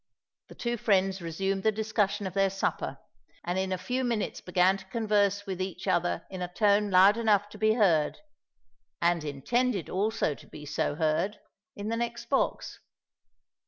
The two friends resumed the discussion of their supper, and in a few minutes began to converse with each other in a tone loud enough to be heard—and intended also to be so heard—in the next box.